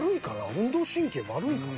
運動神経悪いかな？